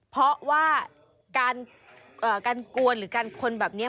เพราะว่าการกวนหรือการคนแบบนี้